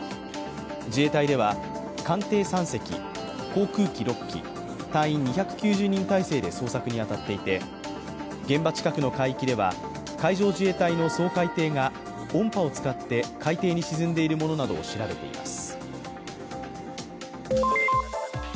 自衛隊では艦艇３隻、航空機６機、隊員２９０人態勢で捜索に当たっていて現場近くの海域では海上自衛隊の掃海艇が音波を使って海底に沈んでいるものなどを調べています。